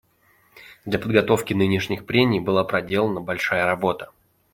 Для подготовки нынешних прений была проделана большая работа.